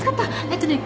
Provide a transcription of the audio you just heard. えっとね